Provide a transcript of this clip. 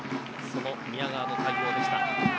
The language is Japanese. その宮川の対応でした。